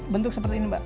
bentuk seperti ini mbak